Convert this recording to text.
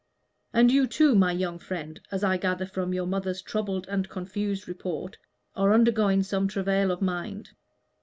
And you, too, my young friend, as I gather from your mother's troubled and confused report, are undergoing some travail of mind.